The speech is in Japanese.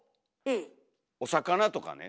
お魚とかね。